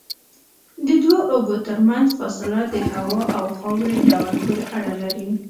د دوو اوبو ترمنځ فاصله د هوا او خاورې ډول پورې اړه لري.